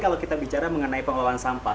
kalau kita bicara mengenai pengelolaan sampah